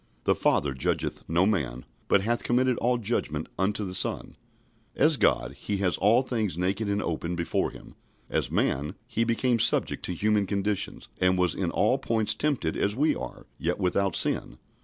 "The Father judgeth no man, but hath committed all judgment unto the Son." As God, He has all things naked and open before Him. As man, He became subject to human conditions, and was in all points tempted as we are, yet without sin.